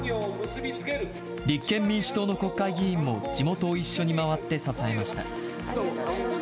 立憲民主党の国会議員も、地元を一緒に回って支えました。